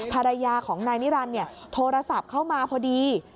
ภรรยาของนายนิรันดิ์โทรศัพท์เข้ามาพอดี